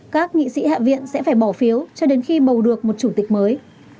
các nghị sĩ hạ viện sẽ phải bỏ phiếu cho đến khi bầu được một chủ tịch mới